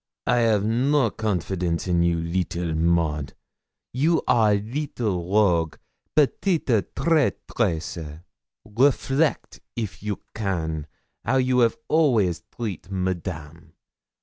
'I have no confidence in you, little Maud; you are little rogue petite traîtresse! Reflect, if you can, how you 'av always treat Madame.